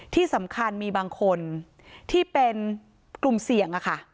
ที่สำคัญมีบางคนที่เป็นกลุ่มเสี่ยง